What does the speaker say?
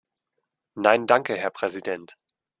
Nein danke, Herr Präsident.